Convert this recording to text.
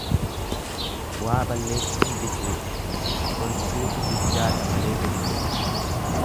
Waa balleessuun bicuudha, tolchuutu guddaadha malee jechuudha.